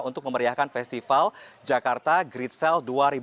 untuk memeriahkan festival jakarta gritsel dua ribu tujuh belas